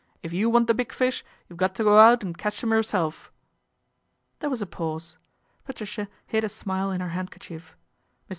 If you want the big fish, you've got to go out and catch 'em yourself." There was a pause. Patricia hid a smile in her handkerchief. Mr.